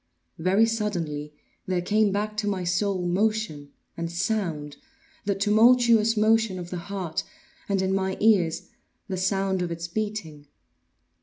Very suddenly there came back to my soul motion and sound—the tumultuous motion of the heart, and, in my ears, the sound of its beating.